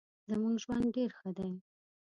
زمونږ ژوند ډیر ښه دې